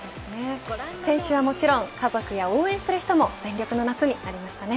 選手はもちろん家族や応援する人も全力の夏になりましたね。